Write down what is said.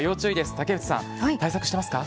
竹内さん、対策してますか？